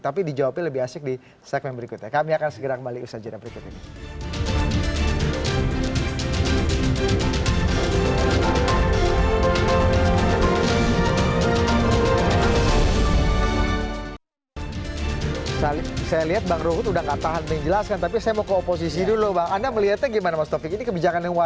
tapi dijawabnya lebih asik di segmen berikutnya kami akan segera kembali ke usaha jenam berikut ini